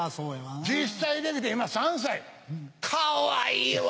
実際できて今３歳かわいいわ。